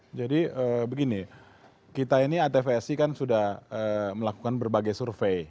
begini kita ini atvsi kan sudah melakukan berbagai survei